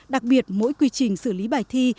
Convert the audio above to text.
đặc biệt mỗi quy trình xử lý bài thi